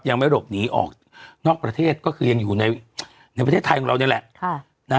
ยังไม่หลบหนีออกนอกประเทศก็คือยังอยู่ในประเทศไทยของเรานี่แหละ